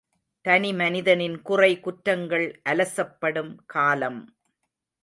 தனி மனிதனின் குறை குற்றங்கள் அலசப்படும் காலம்!